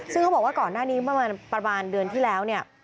ซึ่งเขาบอกว่าก่อนหน้านี้เมื่อประมาณเดือนที่แล้วเนี่ย